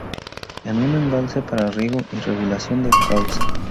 Es un embalse para riego y regulación de cauce.